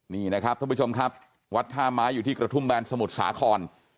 นี่นะครับท่านผู้ชมครับวัดท่าไม้อยู่ที่กระทุ่มแบนสมุทรสาคร